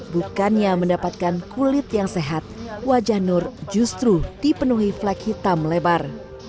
bukannya mendapatkan kulit yang sehat wajah nur justru dipenuhi flag hitam lebar